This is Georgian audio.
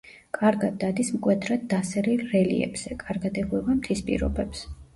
კარგად დადის მკვეთრად დასერილ რელიეფზე, კარგად ეგუება მთის პირობებს.